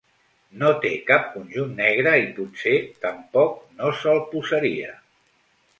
No té cap conjunt negre i potser tampoc no se'l posaria.